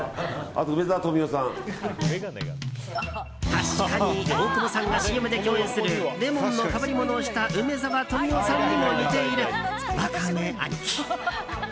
確かに大久保さんがＣＭで共演するレモンのかぶりものをした梅沢富美男さんにも似ているわかめアニキ。